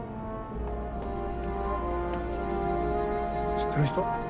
知ってる人？